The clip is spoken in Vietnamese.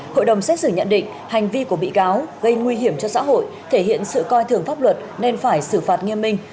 hội đồng xét xử nhận định hành vi của bị cáo gây nguy hiểm cho xã hội thể hiện sự coi thường pháp luật nên phải xử phạt nghiêm minh